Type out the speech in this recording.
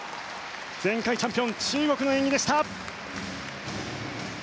前回チャンピオン中国の演技でした。